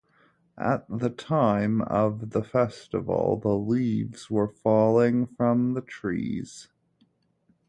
At the time of the festival, the leaves were falling from the trees.